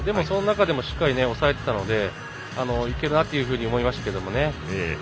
その中でもしっかり抑えてたのでいけるなと思いましたけどね。